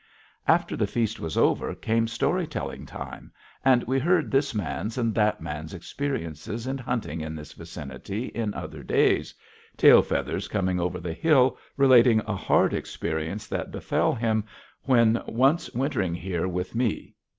After the feast was over came story telling time, and we heard this man's and that man's experiences in hunting in this vicinity in other days, Tail Feathers Coming over the Hill relating a hard experience that befell him when once wintering here with me.